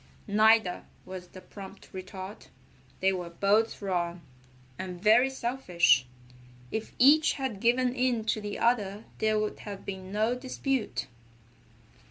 "Neither," was the prompt retort. "They were both wrong, and very selfish. If each had given in to the other there would have been no dispute."